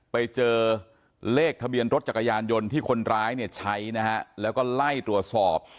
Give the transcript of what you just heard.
ไปเจอเลขทะเบียนรถจักรยานยนต์ที่คนร้ายเนี่ยใช้นะฮะแล้วก็ไล่ตรวจสอบ